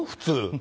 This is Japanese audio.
普通。